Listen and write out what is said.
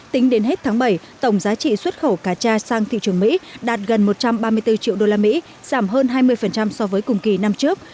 tính đến hết tháng bảy tổng giá trị xuất khẩu cà cha sang thị trường mỹ đạt gần một trăm ba mươi bốn triệu usd giảm hơn hai mươi so với cùng kỳ năm trước